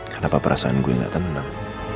kenapa perasaan gua gak tenang